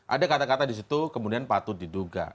ada kata kata di situ kemudian patut diduga